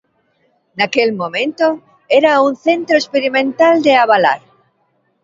Naquel momento era un centro experimental de Abalar.